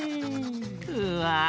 うわ！